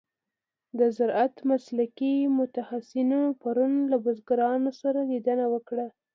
د زراعت مسلکي متخصصینو پرون له بزګرانو سره لیدنه وکړه.